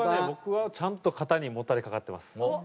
僕はちゃんと肩にもたれ掛かってます。